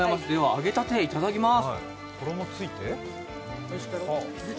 揚げたていただきます。